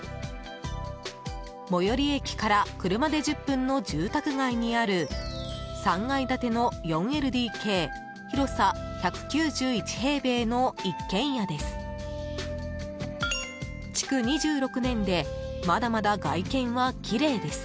最寄り駅から車で１０分の住宅街にある３階建ての４ＬＤＫ広さ１９１平米の一軒家です。